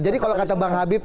jadi kalau kata bang habib